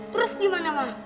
terus gimana ma